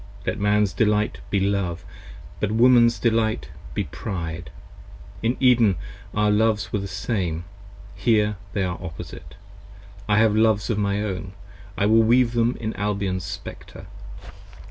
Let Man's delight be Love; but Woman's delight be Pride. In Eden our Loves were the same, here they are opposite. I have Loves of my own, I will weave them in Albion's Spectre.